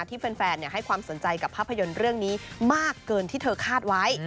ที่แฟนให้ความสนใจกับภาพยนตร์เรื่องนี้มากเกินที่เธอคาดไว้